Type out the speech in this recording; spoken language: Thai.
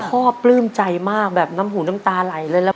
ปลื้มใจมากแบบน้ำหูน้ำตาไหลเลยแล้ว